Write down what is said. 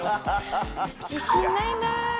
自信ないなぁ。